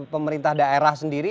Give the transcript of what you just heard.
pemerintah daerah sendiri